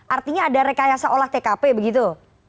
artinya ada rekayasa olah tkp begitu